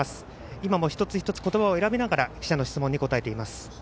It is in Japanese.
今も一つ一つ言葉を選びながら記者の質問に答えています。